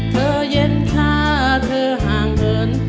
เย็นถ้าเธอห่างเหิน